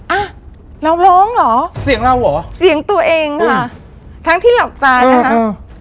อ่ะเราร้องเหรอเสียงเราเหรอเสียงตัวเองค่ะทั้งที่หลับตานะคะเออ